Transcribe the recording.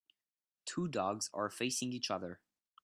Two dogs are facing each other